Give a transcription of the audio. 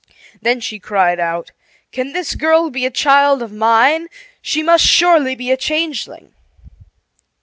Then she cried out: "Can this girl be a child of mine? She surely must be a changeling!"